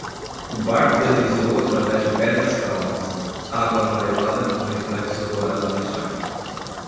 O barco deslizou através de pedras calmas, água amarelada, com reflexos dourados de chá.